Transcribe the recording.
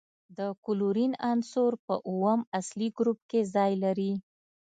د کلورین عنصر په اووم اصلي ګروپ کې ځای لري.